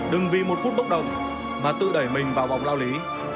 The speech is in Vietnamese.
đừng vì một phút bốc đồng mà tự đẩy mình vào vòng lao lý